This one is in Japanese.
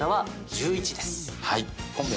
はい。